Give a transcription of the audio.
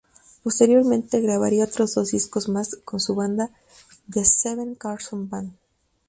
Posteriormente grabaría otros dos discos más con su banda The Steve Carlson Band.